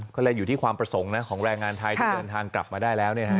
ก็เลยอยู่ที่ความประสงค์นะของแรงงานไทยที่เดินทางกลับมาได้แล้ว